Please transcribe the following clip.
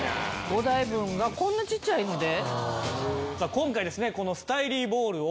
５台分がこんなちっちゃいので？